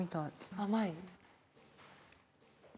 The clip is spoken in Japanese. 甘い？